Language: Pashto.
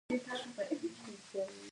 کوم ارګنایزیشن چې زموږ سفر ترتیب کړی دی.